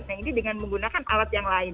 nah ini dengan menggunakan alat yang lain